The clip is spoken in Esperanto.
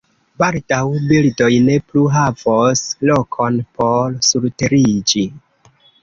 Baldaŭ, birdoj ne plu havos lokon por surteriĝi.